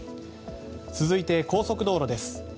続いて、高速道路です。